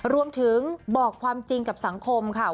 รวมถึงบอกความจริงกับสังคมค่ะ